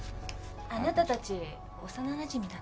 あなたたち幼なじみだったの？